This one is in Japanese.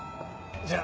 じゃあ。